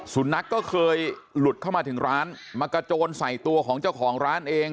สุนัขก็เคยหลุดเข้ามาถึงร้านมากระโจนใส่ตัวของเจ้าของร้านเอง